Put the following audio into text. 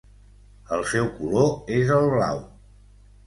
El seu color és el blau.